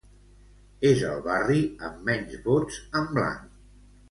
És el barri amb menys vots en blanc.